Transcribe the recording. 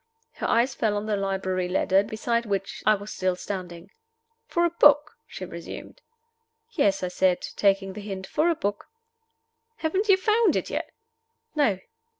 Her eye fell on the library ladder, beside which I was still standing. "For a book?" she resumed. "Yes," I said, taking the hint. "For a book." "Haven't you found it yet?" "No."